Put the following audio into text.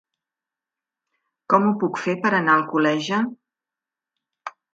Com ho puc fer per anar a Alcoleja?